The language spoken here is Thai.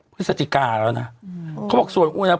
พฤศจิกาแล้วน่ะอืมเขาบอกส่วนอุ้ยนะครับ